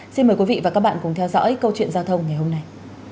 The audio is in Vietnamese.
xin mời quý vị và các bạn cùng theo dõi câu chuyện giao thông ngày hôm nay